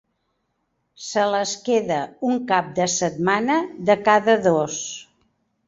Se les queda un cap de setmana de cada dos.